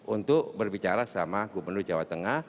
untuk berbicara sama gubernur jawa tengah